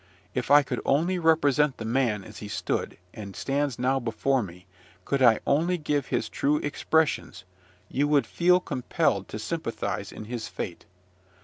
If I could only represent the man as he stood, and stands now before me, could I only give his true expressions, you would feel compelled to sympathise in his fate.